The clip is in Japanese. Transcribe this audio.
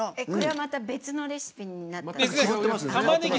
また別のレシピになった。